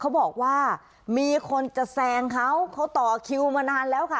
เขาบอกว่ามีคนจะแซงเขาเขาต่อคิวมานานแล้วค่ะ